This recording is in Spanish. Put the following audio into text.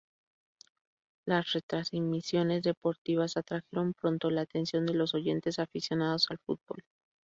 Las retransmisiones deportivas atrajeron pronto la atención de los oyentes aficionados al fútbol.